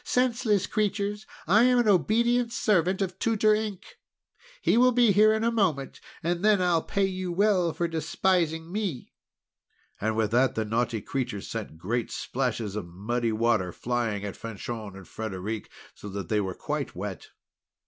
Senseless creatures! I am an obedient servant of Tutor Ink! He will be here in a moment, and then I'll pay you well for despising me!" And with that the naughty creature sent great splashes of muddy water flying at Fanchon and Frederic, so that they were quite wet.